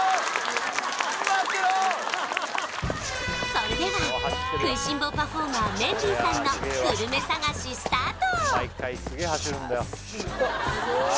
それでは食いしん坊パフォーマーメンディーさんのグルメ探しスタート！